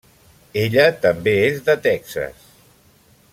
Ella també és de Texas.